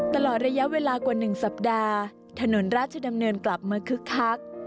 ตลอดระยะเวลากว่า๑สัปดาห์ถนนราชดำเนินกลับมาคึกคัก